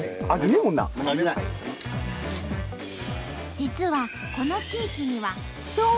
実はこの地域にはどん！